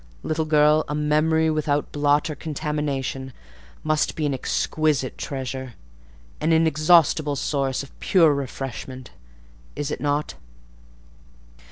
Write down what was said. Little girl, a memory without blot or contamination must be an exquisite treasure—an inexhaustible source of pure refreshment: is it not?"